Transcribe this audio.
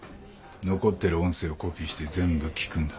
残ってる音声をコピーして全部聞くんだ。